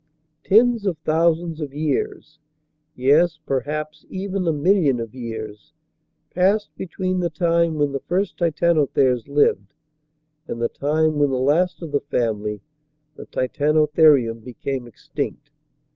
Tens of thousands of years, yes, perhaps, even a million of years, passed between the time when the first Titanotheres lived and the time when the last of the family the Titanotherium became extinct.